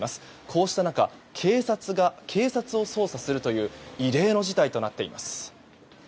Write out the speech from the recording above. こうした中警察が警察を捜査するという異例の事態となっています。